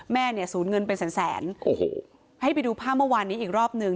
แม่เนี่ยสูญเงินเป็นแสนแสนโอ้โหให้ไปดูภาพเมื่อวานนี้อีกรอบหนึ่ง